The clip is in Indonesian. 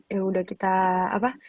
yang udah kita apa